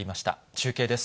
中継です。